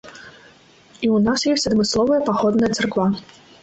І ў нас ёсць адмысловая паходная царква.